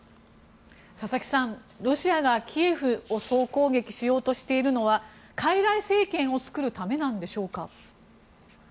佐々木さん、ロシアがキエフを総攻撃しようとしているのは傀儡政権を作るためでしょうか。